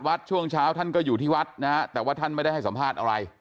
ช่วงเช้าท่านก็อยู่ที่วัดนะฮะแต่ว่าท่านไม่ได้ให้สัมภาษณ์อะไร